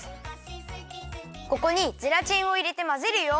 ここにゼラチンをいれてまぜるよ。